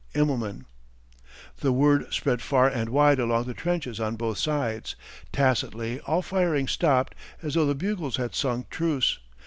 IMMELMAN. The word spread far and wide along the trenches on both sides. Tacitly all firing stopped as though the bugles had sung truce.